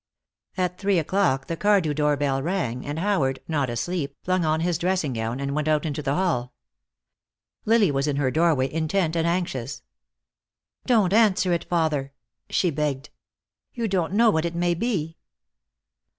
At three o'clock the Cardew doorbell rang, and Howard, not asleep, flung on his dressing gown and went out into the hall. Lily was in her doorway, intent and anxious. "Don't answer it, father," she begged. "You don't know what it may be."